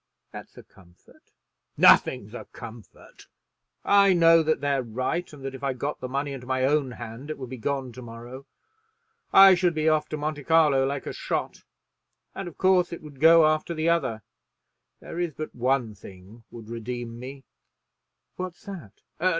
"That's a comfort." "Nothing's a comfort. I know that they're right, and that if I got the money into my own hand it would be gone to morrow. I should be off to Monte Carlo like a shot; and, of course it would go after the other. There is but one thing would redeem me." "What's that?"